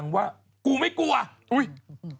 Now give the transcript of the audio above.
จากกระแสของละครกรุเปสันนิวาสนะฮะ